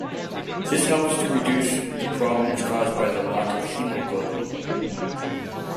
This helps to reduce the problems caused by the lack of hemoglobin.